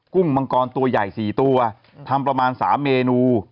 มังกรตัวใหญ่๔ตัวทำประมาณ๓เมนู